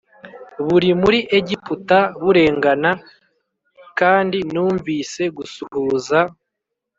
Buri muri egiputa burengana l kandi numvise gusuhuza